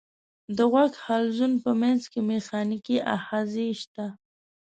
د غوږ حلزون په منځ کې مېخانیکي آخذې شته.